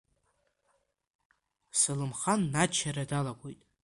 Селымхан аччара далагоит.